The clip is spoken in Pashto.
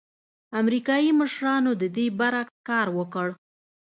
امریکايي مشرانو د دې برعکس کار وکړ.